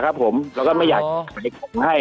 คุณติเล่าเรื่องนี้ให้ฮะ